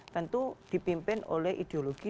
tentu dipimpin oleh ideologi